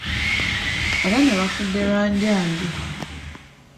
Abaana bafudde lwa ndya mbi.